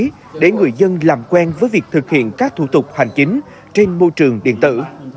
để người dân làm quen với việc thực hiện các thủ tục hành chính trên môi trường điện tử